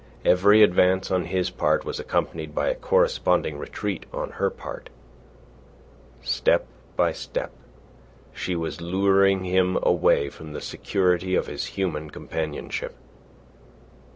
Every advance on his part was accompanied by a corresponding retreat on her part. Step by step she was luring him away from the security of his human companionship.